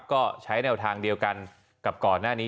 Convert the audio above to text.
ก็ใช้แนวทางเดียวกันกับก่อนหน้านี้